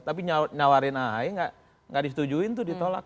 tapi nyawarin ahy gak disetujuin itu ditolak